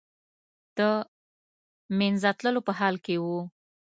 د منځه تللو په حال کې و.